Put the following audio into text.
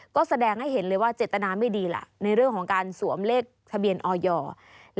ก็แสดงให้เห็นเลยว่าเจตนาไม่ดีล่ะในเรื่องของการสวมเลขทะเบียนออยอร์